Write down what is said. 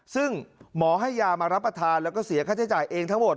ซึ่งหมอให้ยามารับประทานแล้วก็เสียค่าใช้จ่ายเองทั้งหมด